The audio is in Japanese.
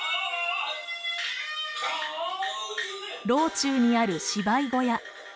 中にある芝居小屋。